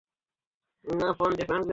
এটি অবশ্যই এক অদ্ভুত ব্যাপার!